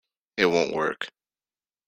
It won't work.